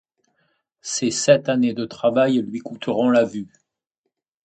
Ces sept années de travail lui coûteront la vue.